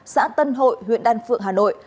xã tân hội huyện đan phượng hà nội